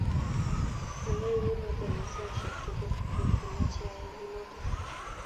Mayai kunotok eng saisek tuul ngot ko amache ayai kunotok